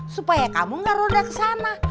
supaya kamu nggak ronda ke sana